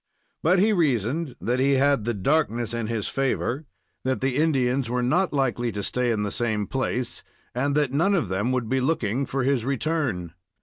But he reasoned that he had the darkness in his favor, that the Indians were not likely to stay in the same place, and that none of them would be looking for his return.